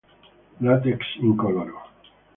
Látex incoloro.